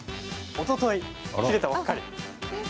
おととい、切れたばっかり。